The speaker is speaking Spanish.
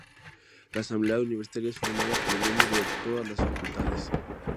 La Asamblea Universitaria es formada por los miembros de todas las Facultades.